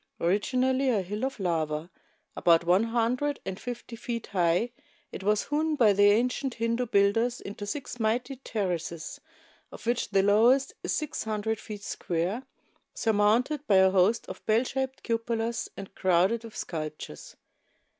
Originally a hill of lava, about one hundred and fifty feet high, it was hewn by the ancient Hindu builders into six mighty terraces, of which the lowest is six hundred feet square, surmounted by a host of bell shaped cupolas and crowded wdth sculptures.